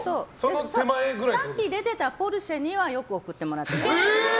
さっき出てたポルシェではよく送ってもらってた。